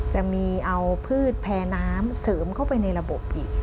จะมีเอาพืชแพรน้ำเสริมเข้าไปในระบบอีก